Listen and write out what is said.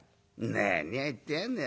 「何を言ってやがんでえ。